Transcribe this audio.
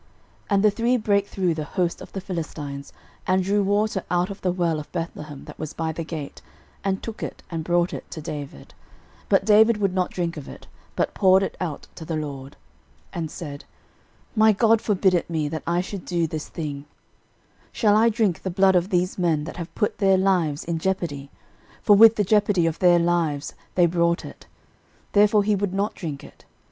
13:011:018 And the three brake through the host of the Philistines, and drew water out of the well of Bethlehem, that was by the gate, and took it, and brought it to David: but David would not drink of it, but poured it out to the LORD. 13:011:019 And said, My God forbid it me, that I should do this thing: shall I drink the blood of these men that have put their lives in jeopardy? for with the jeopardy of their lives they brought it. Therefore he would not drink it.